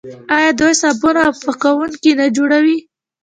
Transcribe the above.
آیا دوی صابون او پاکوونکي نه جوړوي؟